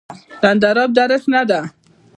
د اندراب دره شنه ده